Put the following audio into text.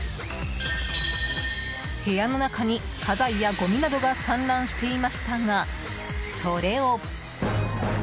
部屋の中に家財やごみなどが散乱していましたがそれを。